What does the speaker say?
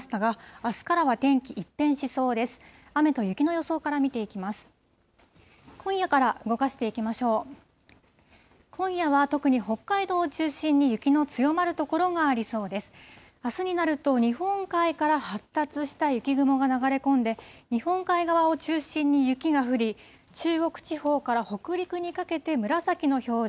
あすになると、日本海から発達した雪雲が流れ込んで、日本海側を中心に雪が降り、中国地方から北陸にかけて紫の表示。